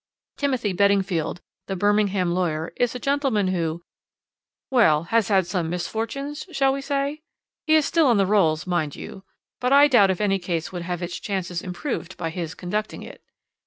Timothy Beddingfield, the Birmingham lawyer, is a gentleman who well has had some misfortunes, shall we say? He is still on the rolls, mind you, but I doubt if any case would have its chances improved by his conducting it.